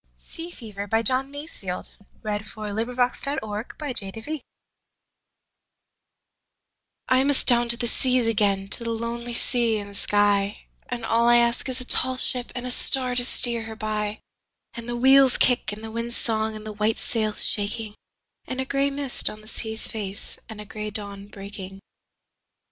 rn British Poetry. 1920. John Masefield1878–1967 Sea Fever I MUST down to the seas again, to the lonely sea and the sky, And all I ask is a tall ship and a star to steer her by, And the wheel's kick and the wind's song and the white sail's shaking, And a grey mist on the sea's face and a grey dawn breaking.